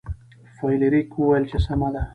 فلیریک وویل چې سمه ده.